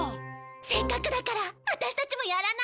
せっかくだからワタシたちもやらない？